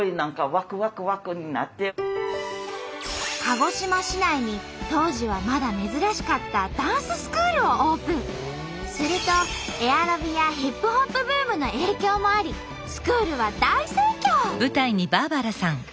鹿児島市内に当時はまだ珍しかったするとエアロビやヒップホップブームの影響もありスクールは大盛況！